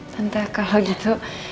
tante kalau gitu